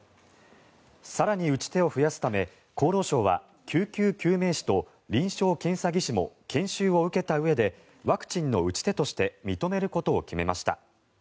更に打ち手を増やすため厚労省は救急救命士と臨床検査技師も研修を受けたうえでワクチンの打ち手として認めることを決めました。